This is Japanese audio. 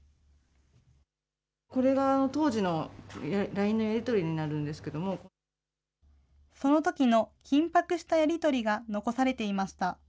これが当時のＬＩＮＥのやりそのときの緊迫したやり取りが残されていました。